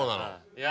いや。